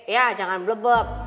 ya jangan blebeb